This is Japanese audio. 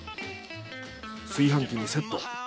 炊飯器にセット。